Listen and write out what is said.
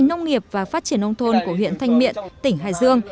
nông nghiệp và phát triển nông thôn của huyện thanh miện tỉnh hải dương